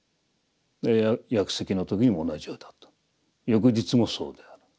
で薬石の時にも同じようだと。翌日もそうである。